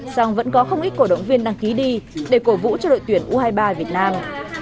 song vẫn có không ít cổ động viên đăng ký đi để cổ vũ cho đội tuyển u hai mươi ba việt nam